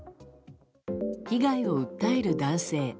被害を訴える男性。